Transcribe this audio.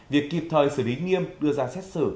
việc kịp thời xử lý nghiêm đưa ra xét xử